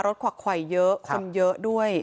ขวักไขวเยอะคนเยอะด้วย